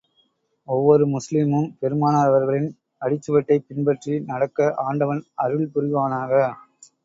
ஒவ்வொரு முஸ்லிமும், பெருமானார் அவர்களின் அடிச்சுவட்டைப் பின்பற்றி நடக்க ஆண்டவன் அருள்புரிவானாக!